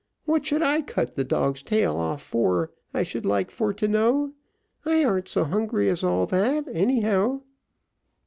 What should I cut the dog's tail off for, I should like for to know? I arn't so hungry as all that, any how."